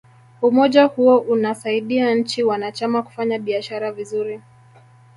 umoja huo unasaidia nchi wanachama kufanya biashara vizuri